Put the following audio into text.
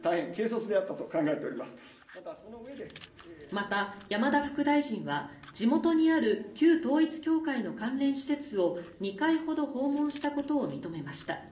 また山田副大臣は、地元にある旧統一教会の関連施設を２回ほど訪問したことを認めました。